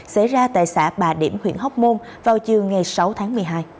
xảy ra tại xã bà điểm huyện hóc môn vào chiều ngày sáu tháng một mươi hai